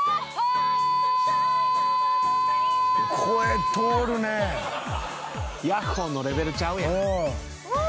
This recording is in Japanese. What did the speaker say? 声通るねヤッホーのレベルちゃうやんおおー